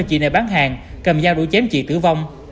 chị đã bán hàng cầm dao đuổi chém chị tử vong